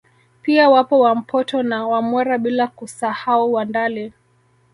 Pia wapo Wampoto na Wamwera bila kusahau Wandali